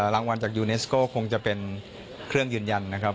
รางวัลจากยูเนสโก้คงจะเป็นเครื่องยืนยันนะครับ